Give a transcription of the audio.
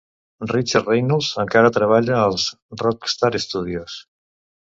Richard Reynolds encara treballa als Rockstar Studios.